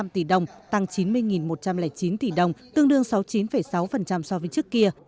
hai trăm một mươi chín năm trăm sáu mươi năm tỷ đồng tăng chín mươi một trăm linh chín tỷ đồng tương đương sáu mươi chín sáu so với trước kia